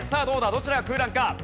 どちらの空欄か？